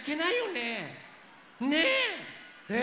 ねえ。